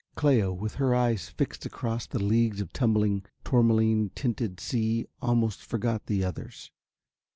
Cléo with her eyes fixed across the leagues of tumbling tourmaline tinted sea almost forgot the others.